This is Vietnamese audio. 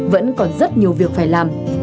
vẫn còn rất nhiều việc phải làm